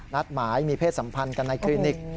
นัดหมายมีเพศสัมพันธ์กันในคลินิก